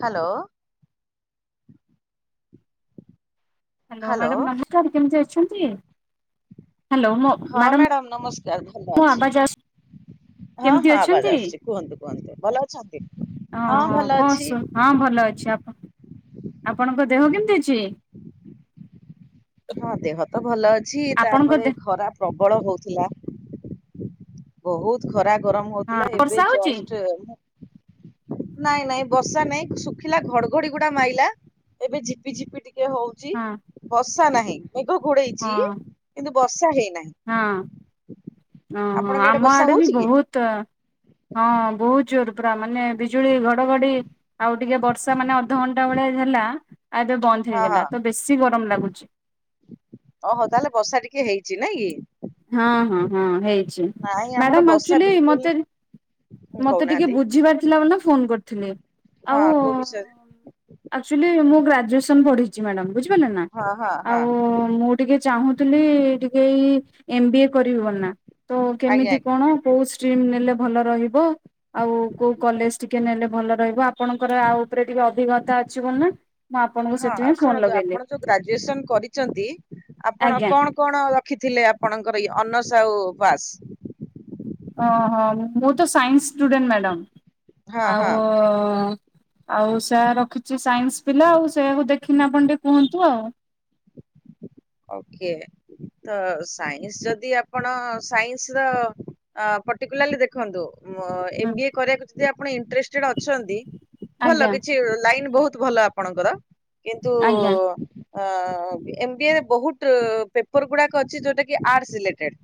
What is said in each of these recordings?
Hello. Hello madam ନମସ୍କାର କେମିତି ଅଛନ୍ତି? ଶୁଭ ହଁ ମ୍ୟାଡ଼ାମ ନମସ୍କାର। ଆ ଭଲ ମୋ ଅଛି। ଆବାଜ ଆସୁ ହଁ କେମିତି ହଁ ଆବାଜ ଅଛନ୍ତି? ଆସୁଛି କୁହନ୍ତୁ କୁହନ୍ତୁ ଭଲ ଅଛନ୍ତି ହଁ ଓହୋ ଭଲ କଣ ଅଛି। ସୁ ହଁ ଭଲ ଅଛି ଆପଣ ଆପଣଙ୍କ ଦେହ କେମିତି ଅଛି? ହଁ ଦେହ ତ ଭଲ ଅ ଅଛି ଆପଣଙ୍କ ତାପରେ ଦେ ଖରାପ ପ୍ର ବଳ ହେଉଥିଲା। ବହୁତ ଖରାପ ଗରମ ହଁ ହଉଥିଲା ଏବେ ବର୍ଷା ହଉଛି? ଜଷ୍ଟ ନାଇଁ ନାଇଁ ବର୍ଷା ନାଇଁ ଶୁଖିଲା ଘଡଘଡି ଗୁଡା ମାଇଲା ଏବେ ଝିପି ଝିପି ଟିକେ ଟିକେ ହଉଛି ହଁ ବ ହସା ନାହିଁ। ମେଘ ଘୋଡେଇଛି ହଁ କିନ୍ତୁ ବର୍ଷା ହେଇନାହିଁ। ହଁ। ଓହୋ ଆପଣଙ୍କ ଆମ ବର୍ଷା ଆଡେ ବି ହଉଛି କି? ବହୁତ ହଁ ବହୁତ ଜୋର ପୁରା ମାନେ ବିଜୁଳି ଘଡଘଡି ଆଉ ଟିକେ ବର୍ଷା ମାନେ ଅଧଘଣ୍ଟା ବେଳେଆ ହେଲା। ଆବେ ବନ୍ଦ ହଁ ହେଇଗଲା ହଁ ତ ବେଶୀ ଗରମ ଲାଗୁଚି ଟିକଏ ହେଇଛି ନାଇଁ କି। ହଁ ହଁ ହଁ ହେଇଛି ନାଇଁ ଆମର ମ୍ୟାଡ଼ାମ ବର୍ଷା ଆକ୍ଚୁଆଲି ବିଲକୁଲ ମୋତେ ନାହିଁ। ମୋତେ ଟିକେ କହୁନାହାନ୍ତି। ବୁଝିବାର ଥିଲା ବୋଲି ଫୋନ୍ କରିଥିଲି ଆଉ ହଁ କୋଉ ବିଷୟରେ ଆକ୍ଚୁଲି ମୁଁ ଗ୍ରାଜୁଏସନ୍ ପଢ଼ିଛି ମ୍ୟାଡ଼ାମ। ବୁଝିପାରିଲ ନା ହଁ ହଁ ହଁ ଆଉ ମୁଁ ଟିକେ ଚାହୁଁଥିଲି। କେଇ ଏମ ବି ଏ କରିବିବ ନା ତ ଆଜ୍ଞା କେମିତି ଆଜ୍ଞା କଣ କୋଉ ଷ୍ଟିମ ନେଲେ ଭଲ ରହିବ। ଆଉ କୋଉ କଲେଜ ଟିକେ ନେଲେ ଭଲ ରହିବ ଆପଣଙ୍କର ଆଉ ଉପରେ ଟିକେ ଅଭିଜ୍ଞତା ଅଛି ବୋଲି ନା ମୁଁ ଆପଣଙ୍କୁ ହଁ ସେଥିପାଇଁ ଫୋନ ଶୁଣନ୍ତୁ ଆପଣ ଲଗେଇଲି ଯୋଉ ଗ୍ରାଜୁଏସନ କରିଛନ୍ତି ଆପଣ ଆଜ୍ଞା। କଣ କଣ ରଖିଥିଲେ ଆପଣଙ୍କର ଏଇ ଅନସ ଆଉ ପାସ ଓ ହଁ ମୁଁ ତ ସାଇନ୍ସ ଷ୍ଟୁଡେଣ୍ଟ ହଁ ମ୍ୟାଡ଼ାମ। ହଁ ଆଉ ଆଉ ସେ ରଖିଛି ସାଇନ୍ସ ପିଲା ଆଉ ସେଇୟାକୁ ଦେଖିନି ଆପଣ ଟିକେ କୁହନ୍ତୁ ଆଉ ଓକେ ତ ସାଇନ୍ସ ଯଦି ଆପଣ ସାଇନ୍ସ ର ପଟିକୁଲଲି ଦେଖନ୍ତୁ। ଏମ ବି ଏ କରିବାକୁ ଯଦି ଆପଣ ଇଣ୍ଟରେଷ୍ଟେଡ ଅଛନ୍ତି ଭଲ ଆଜ୍ଞା କିଛି ଲାଇନ ବହୁତ ବହୁତ ଭଲ ଆପଣଙ୍କର। କିନ୍ତୁ ଆଜ୍ଞା ହଁ ଏମ ବି ଏ ବହୁତ ପେପର ଗୁଡା ଅଛି ଯୋଉଟା କି ଆର୍ଟସ୍ ରିଲେଟେଡ।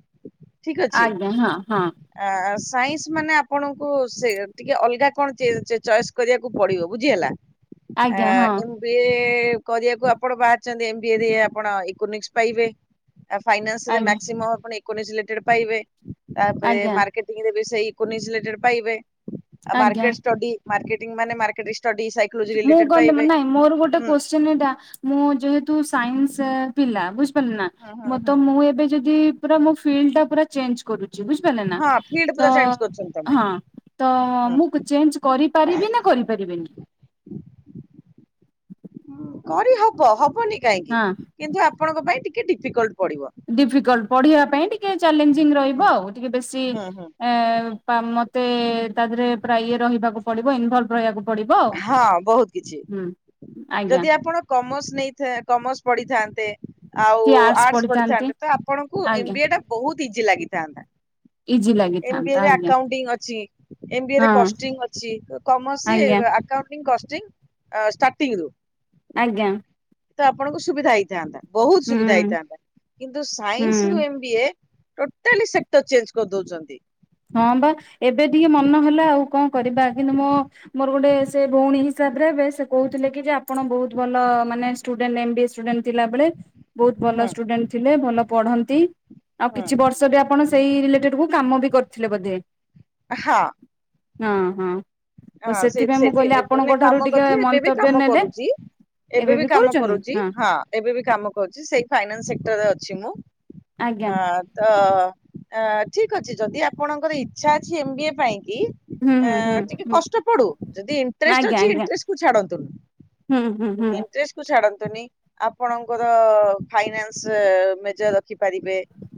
ଠିକ ଅଛି ଆଜ୍ଞା ହଁ ହଁ। ଆ ସାଇନ୍ସ ମାନେ ଆପଣଙ୍କୁ ସେ ଟିକେ ଅଲଗା କଣ ଚଏସ୍ କରିବାକୁ ପଡିବ ବୁଝି ହେଲା। ଆ ଆଜ୍ଞା ହଁ ଏମ୍ ବି ଏ କରିବାକୁ ଆପଣ ବାହାରିଛନ୍ତି ଏମ୍ ବି ଏ ରେ ଆପଣ କନିକ୍ସ୍ ପାଇବେ ଫାଇନାନ୍ସ ରେ ଆଜ୍ଞା ମେକ୍ସିମମ୍ ଆପଣ କୋନିଶିଲେଟେଡ୍ ପାଇବେ। ତାପରେ ଆଜ୍ଞା ମାର୍କେଟିଂ ରେ ବି ସେଇ କୋନିଶିଲେଟେଡ ପାଇବେ। ଆଜ୍ଞା ମାର୍କେଟ ଷ୍ଟଡି ମାର୍କେଟିଂ ମାନେ ମାର୍କେଟ ଷ୍ଟଡି ସାଇକୋଲୋଜି ମୁଁ ରିଲେଟେଡ କହ ପାଇବେ। ନାଇଁ ମୋର ଗୋଟେ ହୁଁ କୋଶ୍ଚିନ ଏଟା ମୁଁ ଯେହେତୁ ତୁ ସାଇନ୍ସ ପିଲା ବୁଝିପାରିଲେ ନା ହୁଁ ହୁଁ ହୁଁ ମତ ମୁଁ ଏବେ ଯଦି ପୁରା ମୋ ଫିଲ୍ଡ ଟା ପୁରା ଚେଞ୍ଜ କରୁ ଛି ବୁଝିପାରିଲେ ନା ହଁ ଫିଲ୍ଡ ତ ପୁରା ଚେଞ୍ଜ କରୁଛନ୍ତି ତମେ ହଁ ତ ହୁଁ। ମୁଁ ଚେଞ୍ଜ କରିପାରିବି ନା କରିପାରିବିନି। ହଁ କରି ହବ ହବ ନି କାହିଁକି ହଁ କିନ୍ତୁ ଆପଣଙ୍କ ପାଇଁ ଟିକେ ଟିକେ ଡିଫିକଲ୍ଟ ପଡିବ। ଡିଫିକଲ୍ଟ ପଢିବା ପାଇଁ ଟିକେ ଟିକେ ଚ୍ୟାଲେଞ୍ଜ ରହିବ ହୁଁ ଆଉ ଟିକେ ବେଶି ହୁଁ ହୁଁ ତ ମତେ ତା ଧିଏରେ ପୁରା ଇଏ ରହିବାକୁ ପଡିବ। ସବୁ ଇନ୍ଭାଲ୍ଭ ରହିବାକୁ ପଡିବ ଆଉ ହଁ ବହୁତ କିଛି ହୁଁ ଆଜ୍ଞା ଯଦି ଆପଣ କମର୍ସ ନେଇଥା କମର୍ସ ପଢିଥାନ୍ତ ଆଉ କିଏ ଆର୍ଟସ ଆର୍ଟ୍ସ ପଢିଥାନ୍ତି ପଢିଥାନ୍ତେ ତ ଆପଣଙ୍କୁ ଆଜ୍ଞା ଏମ ବି ଏ ଟା ବହୁତ ଇଜି ଲାଗିଥାନ୍ତା ଇଜି ଏମ୍ ବି ଏ ଲାଗିଥାନ୍ତା ରେ ଆଜ୍ଞା ଆକାଉଣ୍ଟିଂ ଅଛି ଏମ୍ ବି ଏ ହଁ ରେ କଷ୍ଟିଂ ଅଛି ତ କମର୍ସ ଆଜ୍ଞା ରେ ତ କଷ୍ଟିଙ୍ଗ ଷ୍ଟାର୍ଟିଂ ରୁ ଆଜ୍ଞା। ତ ଆପଣଙ୍କୁ ସୁବିଧା ହେଇଥାନ୍ତା। ବହୁତ ହୁଁ ସୁବିଧା ହେଇଥାନ୍ତା କିନ୍ତୁ ହୁଁ ସାଇନ୍ସ ରୁ M B A totally sector change କରିଦଉଛନ୍ତି ହଁ ବା ଏବେ ଟିକେ ମନ ହେଲା ଆଉ କଣ କରିବା କିନ୍ତୁ ମୋ ମୋର ଗୋଟେ ସେ ଭଉଣୀ ହିସାବରେ ହେବେ ସେ କହୁଥିଲେ କି ଯେ ଆପଣ ବହୁତ ଭଲ ମାନେ student M B A student ଥିଲାବେଳେ ବହୁତ ଭଲ ହୁଁ ଷ୍ଟୁଡେଣ୍ଟ ଥିଲେ ଭଲ ପଢ଼ନ୍ତି ଆଉ ହୁଁ କିଛି ବର୍ଷ ବି ଆପଣ ସେଇ ରିଲେଟେଡ କୁ କାମ ବି କରୁ ପାଇଥିଲେ ବୋଧେ। ହଁ। ହଁ ହଁ। ତ ହଁ ସେଇ ସେଥିପାଇଁ ମୁଁ କହିଲି ଆପଣଙ୍କ ସେଇଠି ଠାରୁ କାମ ଟିକେ କରିଥିଲେ ଏବେ ବି ମନ୍ତବ୍ୟ କାମ ନେଲେ କରୁଛି ଏବେ ବି କାମ କରୁଛି ହଁ ଏବେ ବି କାମ କରୁଛି ସେଇ ଫାଇନାନ୍ସ ସେକ୍ଟରରେ ଅଛି ମୁଁ ଆଜ୍ଞା ହଁ ତ ଅ ଠିକ ଅଛି ଯଦି ଆପଣଙ୍କର ଇଚ୍ଛା ଅଛି ଏମ ବି ଏ ପାଇଁ ହୁଁ ଆ ହୁଁ ଟିକେ ହୁଁ କଷ୍ଟ ପଡୁ ଯଦି ଇଣ୍ଟ୍ରେଷ୍ଟ ଆଜ୍ଞା ଅଛି ଆଜ୍ଞା ଇଣ୍ଟ୍ରେଷ୍ଟ କୁ ଛାଡ଼ନ୍ତୁନି ହୁଁ ହୁଁ ହୁଁ ଇଣ୍ଟ୍ରେଷ୍ଟ କୁ ଛାଡ଼ନ୍ତୁ ନି ଆପଣଙ୍କର ଫାଇନାନ୍ସ ମେଜର ରଖିପାରିବେ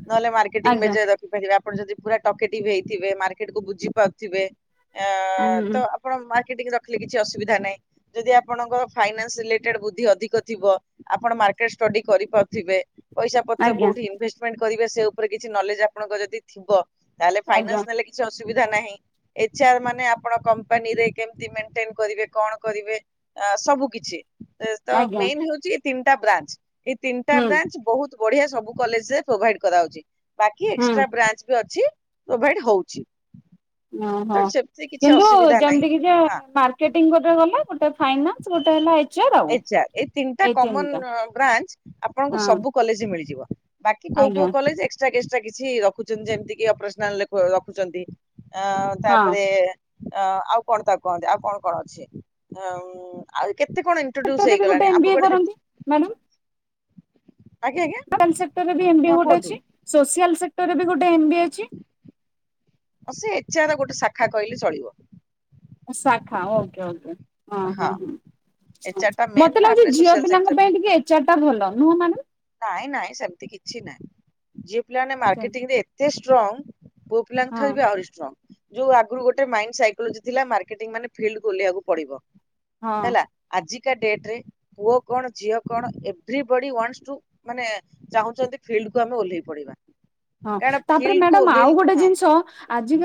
ନହେଲେ ମାର୍କେଟିଂ ଆଜ୍ଞା ମେଜର ରଖିପାରିବା ଆପଣ ଯଦି ପୁରା ଟକେଟିଭ ହେଇଥିବେ ମାର୍କେଟ କୁ ବୁଝି ପାରୁଥିବେ ଆ ହୁଁ। ତ ହୁଁ ଆପଣ ମା ର୍କେଟିଙ୍ଗ ରଖିଲେ କିଛି ଅସୁବିଧା ନାହିଁ ଯଦି ଆପଣଙ୍କ ଫାଇନାନ୍ସ ରିଲେଟେଡ ବୁଦ୍ଧି ଅଧିକ ଥିବ ଆପଣ ମାର୍କେଟ ଷ୍ଟଡି କରିପାରୁଥିବେ ପଇସା ପତ୍ର ଆଜ୍ଞା କୋଉଠି ଇନଭେଷ୍ଟମେଣ୍ଟ କରିବେ ସେ ଉପରେ କିଛି ନଲେଜ ଆପଣଙ୍କ ଯଦି ଥିବ ତାହେଲେ ଆଜ୍ଞା ଫାଇନାନ୍ସ ନେଲେ କିଛି ଅସୁ ସୁବିଧା ନାହିଁ ଏଚ୍ ଆର୍ ମାନେ ଆପଣ କମ୍ପାନୀରେ କେମତି ମେଣ୍ଟେନ୍ କରିବେ କଣ କରିବେ ସବୁ କିଛି ତ ଆଜ୍ଞା ମେନ୍ ହେଉଛି ଏ ତିନି ଟା ବ୍ରାଞ୍ଚ । ଏଇ ତିନିଟା ହୁଁ ବ୍ରାଞ୍ଚ ବହୁତ ବଢିଆ, ସବୁ କଲେଜରେ ପ୍ରୋଭାଇଡ କରାଯାଉଛି। ବାକି ହୁଁ ଏକ୍ସଟ୍ରା ବ୍ରାଞ୍ଚ ବି ଅଛି। ପ୍ରୋଭାଇଡ ହଉଛି। ତ ଓହୋ ସେମିତି କିଛି କିନ୍ତୁ ଅସୁବିଧା ନାହିଁ। ଯେମିତି କି ଯେ ହଁ ମାର୍କେଟିଂ ଗୋଟେ ଗଲେ, ଗୋଟେ ଫାଇନାଲ ତ ଗୋଟେ ହେଲା ଏଚ ଆର ଆଉ। ଏଇ ଏଚ୍ ଆର୍ ଏଇ ତିନିଟା କମନ ବ୍ରାଞ୍ଚ ଆପଣଙ୍କୁ ହଁ ସବୁ କଲେଜରେ ମିଳିଯିବ। ବାକି କୋଉ କୋଉ ଆଜ୍ଞା କଲେଜ ଏକ୍ସଟ୍ରା ଗେଷ୍ଟ [unintelligible] ଟା କିଛି ରଖୁଛନ୍ତି, ଯେମିତି କି ଅପରେସନାଲ ରେ ର ରଖୁଛନ୍ତି ଆ ହଁ ତାପରେ ଆ ଆଉ କଣ ତାକୁ କହନ୍ତି? ଆଉ କଣ କଣ ଅଛି? ଆଉ ଆହୁରି କେତେ କଣ ଇଣ୍ଟ୍ରୋଡ୍ୟୁସ ସେକ୍ଟର ରେ ବି ହେଇଗଲାଣି ଗୋଟେ ଏମ୍ ଆମ ବି ଏ ବେଳେ କରନ୍ତି ମ୍ୟାଡ଼ମ୍? ଆଜ୍ଞା ଆଜ୍ଞା [unintelligible] ସେକ୍ଟର ଏମିତି ହଁ ଗୋଟେ କୁହନ୍ତୁ। ଅଛି ସୋସିଆଲ ସେକ୍ଟ ର ରେ ବି ଗୋଟେ ଏମ ବି ଏ ଅଛି। ହଁ ସେ ଏଚ୍ ଆର ର ଗୋଟେ ଶାଖା କହିଲେ ଚଳିବ। ଶାଖା। Okay okay. ହଁ ହଁ ଏଚ୍ ହଁ ଆର ଟା ମେନ୍ ମୋତେ ଲାଗୁଛି ତାପରେ ଝିଅ ସୋସିଆଲ ପିଲାଙ୍କ ସେକ୍ଟର ପାଇଁ ଟିକେ ଏଚ୍ ଆର ଟା ଭଲ ନୁହଁ ମାନେ? ନାଇଁ ନାଇଁ ସେମିତି କିଛି ନାଇଁ। ଯିଏ ପିଲାମାନେ ମାର୍କେଟିଂରେ ଏତେ ଷ୍ଟ୍ରଙ୍ଗ। ପୁଅ ପିଲାଙ୍କ ହଁ ଠାରୁ ବି ଆହୁରି ଷ୍ଟ୍ରଙ୍ଗ। ଯୋଉ ଆଗରୁ ଗୋଟେ ମାଇଣ୍ଡ ସାଇକୋଲୋଜି ଥିଲା? ମାର୍କେଟିଂ ମାନେ ଫିଲ୍ଡକୁ ଓହ୍ଲେଇବାକୁ ପଡିବ। ହଁ ହେଲା। ଆଜି ଆଜିକା ଡେଟ୍ ରେ ପୁଅ କଣ ଝିଅ କଣ ଏଭ୍ରି ବଡ଼ି ୱାଣ୍ଟସ୍ ଟୁ ମାନେ ଚାହୁଁଛନ୍ତି ଫିଲ୍ଡ କୁ ଆମେ ଓହ୍ଲେଇ ପଡିବା। ହଁ କାରଣ ତାପରେ ଫିଲ୍ଡକୁ ମ୍ୟାଡାମ ଆଉ ଓହ୍ଲେଇଲେ ଗୋଟେ ହଁ ଜିନିଷ,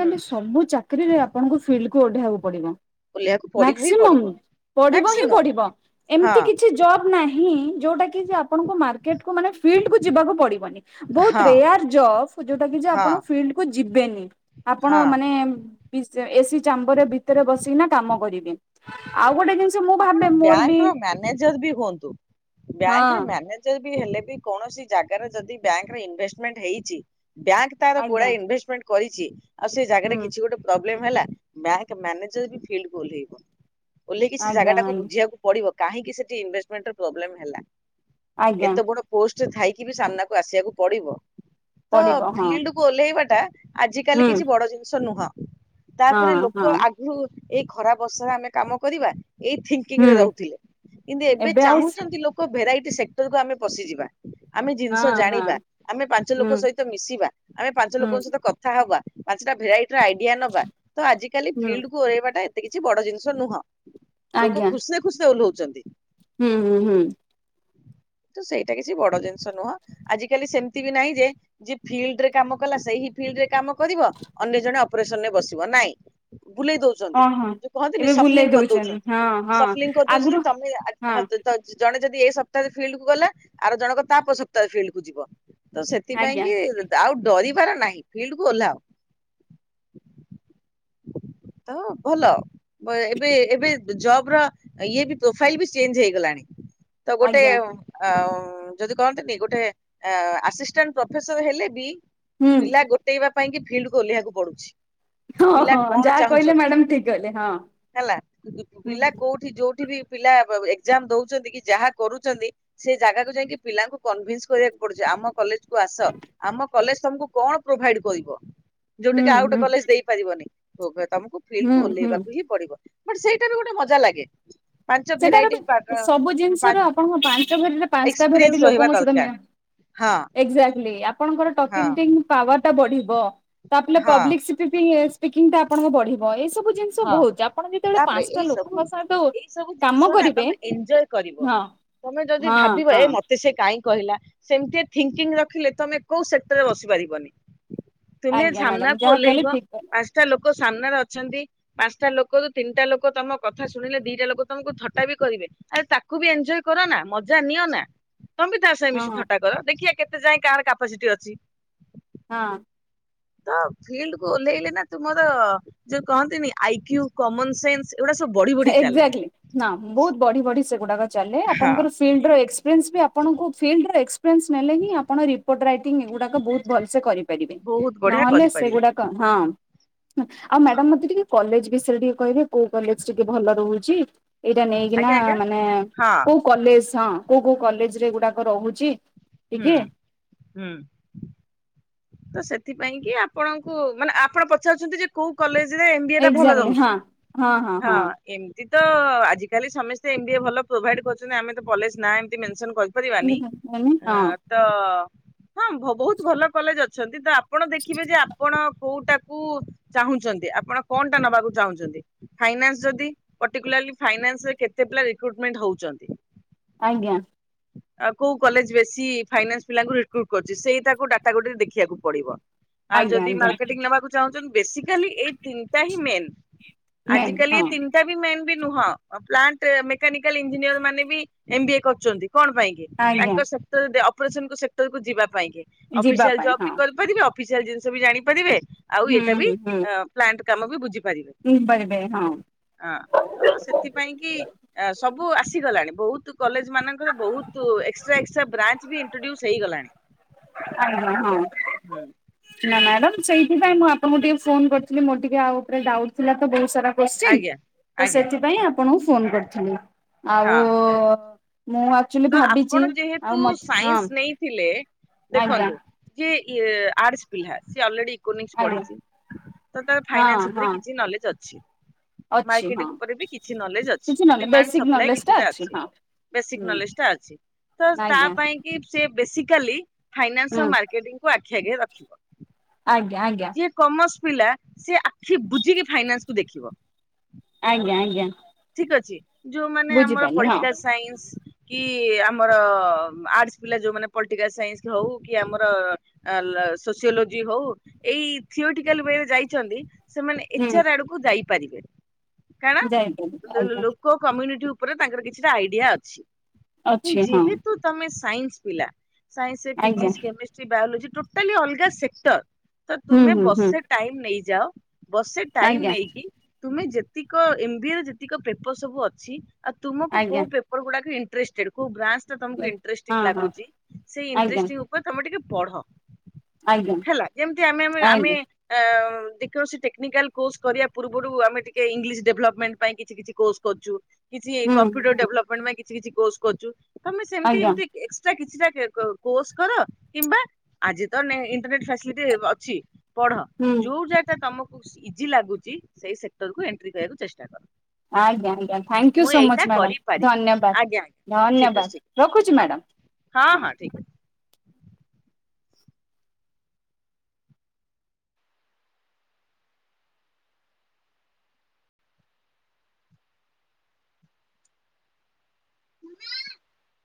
ହୁଁ ସବୁ ଚାକିରିରେ ଆପଣଙ୍କୁ ଫିଲ୍ଡ କୁ ଓହ୍ଲେଇବାକୁ ପଡିବ। ଓହ୍ଲେଇବାକୁ ପଡିବ ହିଁ ପଡିବ ମ୍ୟାକ୍ସିମମ ପଡିବ ହିଁ ମ୍ୟାକ୍ସିମମ୍ ପଡିବ ହଁ ଏମତି କିଛି ଜବ ନାହିଁ? ଯୋଉଟା କି [unintelligible] ଆଣଙ୍କୁ ମାର୍କେଟକୁ ମାନେ ଫିଲ୍ଡ କୁ ଯିବାକୁ ପଡିବନି। ବହୁତ ହଁ ରେୟାର ଅଫକୁ [unintelligible] ଯୋଉଟା କି ଯେ ହଁ ଆପଣ ଫିଲ୍ଡକୁ ଯିବେନି। ଆପଣ ହଁ ମାନେ ବି ସେ ଏସି [unintelligible] ଚାମ୍ବର ଭିତରେ ବସିକିନା କାମ କରିବି। ଆଉ ଗୋଟେ ଜିନିଷ ମୁଁ ଆପଣ ଭାବେ ମୋର ବି ବ୍ୟାଙ୍କର ମ୍ୟାନେଜର ବି ହୁଅନ୍ତୁ। ହଁ ବ୍ୟାଙ୍କର ମ୍ୟାନେଜର ହେଲେ ବି କୌଣସି ଜାଗାରେ ଯଦି ବ୍ୟାଙ୍କରେ ଇନଭେଷ୍ଟମେଣ୍ଟ ହେଇଛି ବ୍ୟାଙ୍କ ତାର ଆଜ୍ଞା ଗୁଡ଼ାଏ ଇନଭେଷ୍ଟମେଣ୍ଟ କରି ଯିଏ ଆଉ ସେ ଜାଗାରେ ହୁଁ କିଛି ଗୋଟେ ବ୍ଲେମ ହେଲା ବ୍ୟାଙ୍କ ମ୍ୟାନେଜର ବି ଫିଲ୍ଡ କୁ ଓହ୍ଲାଇବ। କିଛି ଜାଗା ଆଜ୍ଞା ଟାକୁ ଆଜ୍ଞା ବୁଝିବାକୁ ପଡିବ। କାହିଁକି ସେଠି ଇନଭେଷ୍ଟମେଣ୍ଟ ର ପ୍ରୋବଲେମ ହେଲା। ଆଜ୍ଞା ଏତେ ବଡ ପୋଷ୍ଟ ଥାଇକି ବି ସାମ୍ନାକୁ ଆସିବାକୁ ପଡିବ। ତ ପଡିବ ହଁ ଫିଲ୍ଡ କୁ ଓହ୍ଲାଇବା। ଟା ଆଜ କାଲି ହୁଁ କିଛି ବଡ ଜିନିଷ ନୁହଁ। ହଁ ତାପରେ ହଁ ଲୋକ ଆଗରୁ ଏଇ ଖରା ବର୍ଷରେ ଆମେ କାମ କରିବା। ଏଇ ଥିଙ୍କିଙ୍ଗ ରେ ହୁଁ ରହୁଥିଲେ କିନ୍ତୁ ଏବେ ଚାହୁଁଛନ୍ତି ଲୋକ ଭେରାଇ ସେକ୍ଟରକୁ ଆମେ ପଶିଯିବା। ଆମେ ହଁ ଜିନିଷ ହଁ ଜାଣିବା ଆମେ ପାଞ୍ଚ ହୁଁ ଲୋକଙ୍କ ସହିତ ମିଶିବା ଆମେ ପାଞ୍ଚ ଲୋକଙ୍କ ହୁଁ ସହିତ କଥା ହବା। ପାଞ୍ଚଟା ଭେରାଇଟି ଆଇଡିଆ ନବା ତ ଆଜିକାଲି ହୁଁ ଫିଲ୍ଡକୁୁ ଓରେେଇବାଟା ଏ କିଛି ବଡ ଜିନିଷ ନୁହଁ। ଲୋକ ଆଜ୍ଞା ଖୁସିରେ ଖୁସିରେ ଓଲ ଛନ୍ତି। ହୁଁ ହୁଁ ହୁଁ। ତ ସେଇଟା କିଛି ବଡ ଜିନିଷ ନୁହଁ ଆଜି କାଲି ସେମିତି ବି ନାହିଁ ଯେ ଯିଏ ଫିଲ୍ଡରେ କାମ କଲା ସେଇହି ଫିଲ୍ଡରେ କାମ କରିବ ଅନ୍ୟ ଜଣେ ଅପରେସନ ରେ ବସିବ ନାଇଁ ବୁଲେଇ ଦଉଛନ୍ତି ଓ ହଁ ଯଉ କହନ୍ତିନି ଏବେ ବୁଲେଇ ସଫଲିଙ୍ଗ ଦଉଛନ୍ତି କରିଦଉଛନ୍ତି ହଁ ହଁ ସଫଲିଙ୍ଗ କରିଦଉଛନ୍ତି ଆଗରୁ ହଁ ତମେ ଜଣେଦି ଏଇପ୍ତାହରେ ଫିଲ୍ଡ କୁ ଗଲା ଆର ଜଣକ ତା ପ ସକ୍ତାହ ଫିଲ୍ଡ କୁ ଯିବ। ତ ସେଥିପାଇଁ ଆଜ୍ଞା କି ଆଉ ଡରି ନାହିଁ ଫିଲ୍ଡକୁ ଓଲ୍ଲାହ ତ ଭଲ ଏବେ ଜବର ଇଏ ବି ପ୍ରୋଫାଇଲ ବି ଚେଞ୍ଜ ହେଇଗଲାଣି। ସେ ଆଜ୍ଞା ଅ ଯଦି କହନ୍ତିନି ଗୋଟେ ଆସିଷ୍ଟାଣ୍ଟ ପ୍ରଫେସର ହେଲେ ବି ହୁଁ ପିଲା ଗୋଟେ ବା ପାଇଁ କି ଫିଲ୍ଡକୁ ଓଲ୍ଲେଇବାକୁ ପଡୁଛି। ହଁ ପିଲା ହଁ କଣ ଯାହା କହିଲେ ଚାହୁଁଛନ୍ତି ମ୍ୟାଡାମ ଠିକ କହିଲେ ହଁ ହେଲା ହୁଁ ପିଲା କୋଉଠି ଯୋଉଠି ବି ପିଲା ଏକ୍ଜାମ ଦଉଛନ୍ତି କି ଯାହା କରୁଛନ୍ତି ସେ ଜାଗାକୁ ଯାଇକି ପିଲାଙ୍କୁ କନଭିନ୍ସ କରିବାକୁ ପଡୁଛି ଆମ କଲେଜ କୁ ଆସ ଆମ କଲେଜ ତମକୁ କଣ ପ୍ରୋଭାଇଡ କରିବ ଯୋଉ ହୁଁ ଟିକି ଆଉ ଗୋଟେ ହୁଁ କଲେଜ ଦେଇପାରିବନି। ହୋଗ ତମକୁ ହୁଁ ଫିଲ୍ଡକୁୁ ହୁଁ ଓହ୍ଲେଇବା କୁ ହିଁ ପଡିବ। ବଟ ସେଇଟାରୁ ଗୋଟେ ମଜା ଲାଗେ। ପାଞ୍ଚ ସେଠାର ଭେରାଇଟି ବି ସବୁ ଜିନିଷ ର ଆପଣଙ୍କ ପାଞ୍ଚ ଭେର ପାଞ୍ଚଟା ଭେରାଇଟି ଏକ୍ସପିରିଏନ୍ସ ରହିବା ଲୋକଙ୍କ ସହିତ ଦରକାର ହଁ ଏକ୍ଜାକ୍ଟିଲି ଆପଣଙ୍କର ହଁ ଟଙ୍କିଙ୍ଗ ଥିଙ୍ଗ ପାୱାର ଏଟା ବଢିବ। ତପ ହଁ ପବ୍ଲିକସିଟି ବି ହେ ସ୍ପିକିଙ୍ଗଟା ଆପଣଙ୍କ ବଢିବ ଏ ସବୁ ସବୁ ଜିନିଷ ହଁ ବହୁତ ଆପଣ ଯେତେବେଳେ ତାପରେ ପାଞ୍ଚଟା ଏଇ ସବୁ ଲୋକଙ୍କ ସହିତ ଏଇ ସବୁ କାମ ଜିନିଷ ନା କରିବେ ତମେ ଏଞ୍ଜୟ କରିବ ହଁ ତମେ ଯଦି ହଁ ଭାବିବ ହଁ ଏ ମତେ ସେ କାହିଁକି କହିଲା ସେମିତି ଥିଙ୍କିଙ୍ଗ ରଖିଲେ ତମେ କୋଉ ସେକ୍ଟରରେ ବସି ପାରିବନି। ତୁମେ ଆଜ୍ଞା ମ୍ୟାଡାମ ସାମ୍ନାକୁ ଯାହା କହିଲେ ଓହ୍ଲେଇବ ଠିକ କହିଲେ ପାଞ୍ଚଟା ଲୋକ ସାମ୍ନାରେ ଅଛନ୍ତି ପାଞ୍ଚଟା ଲୋକରୁୁ ତିନିଟା ଲୋକ ତମ କଥା ଶୁଣିଲେ ଦିଟା ଲୋକ ତମକୁ ଥଟା ବି କରିବେ ଆରେ ତାକୁ ବି ଏଞ୍ଜୟ କର ନା ମଜା ନିଅ ନା। ତମ ତା ସାଙ୍ଗରେ ମିଶିକି ହଁ। ଥଟା କର ଦେଖି କେତେ ଯାଇଏ କାହାର କାପାସିଟି ଅଛି। ହଁ। ତ ଫିଲ୍ଡ କୁ ଓହ୍ଲେଇଲେ ନା ତୁମର ଯୋଉ କହନ୍ତିନି ଆଇ କ୍ୟୁ କମନ ସେନ୍ସ ଏଗୁଡା ସବୁ ବଢି ବଢି ଚାଲେ ଏକ୍ଜାକ୍ଟଲି ନା ବହୁତ ବଢି ବଢି ସେଗୁଡା ଚାଲେ ହଁ ଆପଣଙ୍କର ଫିଲ୍ଡ ର ବି ଆପଣଙ୍କୁ ଫିଲ୍ଡରେ ନେଲେ ହିଁ ଆପଣ ରିପୋର୍ଟ ରାଇଟିଙ୍ଗ ଏଗୁଡାକ ବହୁତ ଭଲସେ କରିପାରିବେ ବହୁତ ବଢିଆ ନହେଲେ କରିପାରିବେ। ସେଗୁଡାକ ହଁ। ହ ଆଉ ମ୍ୟାଡାମ ମତେ ଟିକେ କଲେଜ ବିଷୟରେ ଟିକେ କହିବେ କୋଉ କଲେଜ ଟିକେ ଭଲ ରହୁଛି। ଏଇଟା ନେଇକିନା ଆଜ୍ଞା ଆଜ୍ଞା ମାନେ ହଁ କୋଉ କଲେଜ ହଁ। କୋଉ କୋଉ କଲେଜ ରେ ଗୁଡାକ ରହୁଛି? ହୁଁ ଟିକେ ହୁଁ। ତ ସେଥିପାଇଁ କି ଆପଣଙ୍କୁ ମାନେ ଆପଣ ପଚାରୁଛନ୍ତି ଯେ କୋଉ କଲେଜ ଏମ୍ ବିଏ ଟା ଭଲ ଏକ୍ଜାକ୍ଟଲି ରହୁଛି ହଁ ହଁ ହଁ ହଁ ତ ଆଜିକାଲି ସମସ୍ତେ ଏମ ବି ଏ ଭଲ ପ୍ରୋଭାଇଡ କରୁଛନ୍ତି ଆମେ ତ କଲେଜ ନା ଏମତି ମେନସନ କରି ପାରିବାନି ହଁ ତ ହଁ ବହୁତ ଭଲ କଲେଜ ଆପଣ ଦେଖିବେ ଯେ ଆପଣ କୋଉଟାକୁ ଚାହୁଁଛନ୍ତି ଆପଣ କଣଟା ନବାକୁ ଚାହୁଁଛନ୍ତି ଫାଇନ୍ସ ଯଦି ପର୍ଟିକୁଲ୍ଲାରଲି ଫାଇନ୍ସରେ କେତେ ପିଲା ରିକୁଏରମେଣ୍ଟ ହଉଛନ୍ତି। ଆଜ୍ଞା। କୋଉ କଲେଜ ବେଶୀ ଫାଇନାନ୍ସ ପିଲାଙ୍କୁ ରିକ୍ୱଉଟ୍ କରୁଛି ସେଇ ତାକୁ ଡାଟା ଗୁ ଦେଖିବାକୁ ପଡିବ। ଆଉ ଆଜ୍ଞା ଯଦି ଆଜ୍ଞା ମାର୍କେଟିଂ ନେବାକୁ ଚାହୁଁଛନ୍ତି। ବେସିକାଲି ଏଇ ତିନିଟା ହିଁ ମେନ୍ ଆଜି ମ୍ୟାମ୍ କାଲ ଏ ହଁ ତିନଟ ବି ମେନ ନୁହଁ ପ୍ଲାଣ୍ଟ ମେକାନିକାଲ ଇଞ୍ଜିନିୟର ମାନେ ବି ଏମ ବି ଏ କରୁଛନ୍ତି। କଣ ପାଇଁ କିି ଆଜ୍ଞା ତାଙ୍କ ସତ ଯଦି ଅପରେସନ୍ ସେକ୍ଟରକୁ ଯିବା ପାଇଁ ଯିବା ଅଫିସିଆଲ ପାଇଁ ହଁ ଜବ ଅଫିସିଆଲ ଜିଷ ବି ଜାଣିପାରିବେ ଆଉ ଏଇଟା ବି ହୁଁ ହୁଁ ପ୍ଲାନ୍ଟ କାମ ବୁଝି ପାରିବେ ହୁଁ ପାରିବେ ହଁ ହଁ ତ ସେଥିପାଇଁ କି ସବୁ ସୁ ଆସିଗଲାଣି ବହୁତ କଲେଜ ମାନଙ୍କ ବହୁତ ଏକ୍ସଟ୍ରା ଏକ୍ସଟ୍ରା ବ୍ରାଣ୍ଡ ବି ଇନ୍ଟ୍ରୋ ଡିଉସ ହେଇଗଲାଣି। ହୁଁ ହୁଁ ହୁଁ। ନା ମ୍ୟାଡାମ ସେଇଥିପାଇ ମୁଁ ଆପଣଙ୍କୁ ଟିକେ ଫୋନ କରିଥିଲି ମୋର ଟିକେ ଆଉ ଉପରେ ଡାଉଟ ଥିଲା ତ ବହୁ ସାରା କୋଶ୍ଚିନ ଆଜ୍ଞା ତ ଆଜ୍ଞା ସେଥିପାଇଁ ଆପଣଙ୍କୁ ଫୋନ କରିଥିଲି। ହଁ ଆଉ ମୁଁ ଆକ୍ଚୁଆଲି ତ ଆପଣ ଭାବିଛି ଯେହେତୁ ଆଉ ମ ହଁ ସାଇନ୍ସ ନେଇଥିଲେ ଆଜ୍ଞା ଦେଖନ୍ତୁ ଯେ ଇଏ ଆର୍ଟସ ପିଲା ସିଏ ଅଲରେଡି ପଢି ଆଜ୍ଞା ତ ତ ହଁ ଫାଇନାନ୍ସ ଉପରେ ହଁ କିଛି ନଲେଜ ଅଛି। ଅଛି ହଁ। ମାର୍କେଟିଙ୍ଗ ଉପରେ ବି କିଛି ନଲେଜ ଅଛି କିଛି knowledge demand basic supply knowledge ଟା କିଛିଟା ଅଛି ହଁ ବେସିକ ହୁଁ ନଲେଜ ଅଛି ତ ତା ଆଜ୍ଞା ପାଇଁ କି ସେ ବେସିକାଲି ଫାଇନାନ୍ସ ହୁଁ ମାର୍କେଟି ଗ ରଖିବ। ଆଜ୍ଞା ଆଜ୍ଞା। ଯିଏ କମର୍ସ ପିଲା ସେ ଆଖି ବୁଝିକି ଫାଇନ୍କୁ ଦେଖିବ ଆଜ୍ଞା ଆଜ୍ଞା। ଠିକ ଅଛି। ଯୋଉମାନେ ଆମର ବୁଝିପାରିଲି ହଁ ପଲିଟିକାଲ ସାଇନ୍ସ କି ଆମର ଆର୍ଟସ ପିଲା ଯୋଉମାନେ ପଲିଟିକାଲ ସାଇନ୍ସ ହଉ କି ଆମର ସୋସିଓଲୋଜି ହଉ ଏଇ ଥିଓଟିକାଲ ୱରେ ଯାଇଛନ୍ତି। ସେମାନେ ଏଚ ଆର ଆଡକୁ ଯାଇ ପାରିିବେ ମୁଁ ଯାଇପାରୁନି। ଲୋ ଲୋ ଲୋକ କମି ନିଟି ଉପରେ ତାଙ୍କର କିଛିଟା ଆଇଡିଆ ଅଛି। ଅଛି ହଁ। ଯେହେତୁ ତମେ ସେ ସାଇନ୍ସ ପିଲା ସାଇନ୍ସ ଆଜ୍ଞା ଫିଜିକ୍ସ କେମିଷ୍ଟ୍ରି ବାୟୋଲୋଜି। ଟୋଟାଲି ଅଲଗା ସେକ୍ଟର ତ ହୁଁ ତୁମେ ହୁଁ ହୁଁ ବର୍ଷେ ଟାଇମ ନେଇଯାଅ। ବର୍ଷେ ଟାଇମ ଆଜ୍ଞା ନେଇକି ତୁମେ ଯେତିକ ଏମ୍ ବିଏ ରେ ଯେ ଯେତିକ ପେପର ସବୁ ଅଛି। ଆଉ ତୁମକୁ କୋଉ ଆଜ୍ଞା ପେପର ଗୁଡାକ ଇ ଟ୍ରେଷ୍ଟେଡ଼ କଉ ବ୍ରାଞ୍ଚ ତ ତମକୁ ହଁ ଇଂଟ୍ରେଷ୍ଟିଙ୍ଗ ହଁ ଲାଗୁଛି ସେଇ ଆଜ୍ଞା ଇଂଟ୍ରେଷ୍ଟିଙ୍ଗ ଉପରେ ତମେ ଟିକେ ପଢ଼। ଆଜ୍ଞା। ହେଲା ଯେମିତି ଆମେ ଆମେ ଆମେ ଆଜ୍ଞା ଏଁ ଯେକୌଣସି ଟେକ୍ନିକାଲ କୋର୍ସ କରିବା ପୂର୍ବରୁ ଆମେ ଟିକେ ଇଂଲିଶ ଡେଭଲପମେଣ୍ଟ ପାଇଁ କିଛି କିଛି କୋର୍ସ କରୁଛୁ‌। କିଛି ହୁଁ କମ୍ପୁଟର ହୁଁ ଡେଲପମେଣ୍ଟ ପାଇଁ କି କିଛି କିଛି କୋର୍ସ କରୁଛୁ। ତମେ ସେମିତି ଆଜ୍ଞା ଏମିତି ଏକ୍ସଟ୍ରା କିଛିଟା କ କ କୋର୍ସ କର କିମ୍ବା ଆଜି ତ ଇଣ୍ଟରନେଟ ଫାସିଲିଟି ଅଛି। ପଢ ହୁଁ ଯୋଉ ଯାଗା ତମକୁ ଇଜି ଲାଗୁଛି ସେଇ ସେକ୍ଟର କୁ ଏଣ୍ଟ୍ରି କରିବାକୁ ଚେଷ୍ଟା କର। ଆଜ୍ଞା ଆଜ୍ଞା ଥ୍ୟାଙ୍କୟୁ ମୁଁ ସୋ ମଚ୍ ଏଇଟା ମ୍ୟାଡ଼ାମ କରିପାରିବି ଧନ୍ୟବାଦ ଆଜ୍ଞା ଆଜ୍ଞା ଠିକ ଅଛି ଧନ୍ୟବାଦ ରଖୁଛି ଠିକ ହଁ ମ୍ୟାଡ଼ାମ ହଁ। [unintelligible]